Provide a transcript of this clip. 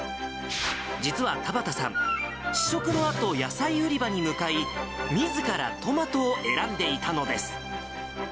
実は太葉田さん、試食のあと、野菜売り場に向かい、みずからトマトを選んでいたのです。